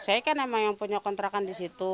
saya kan emang yang punya kontrakan di situ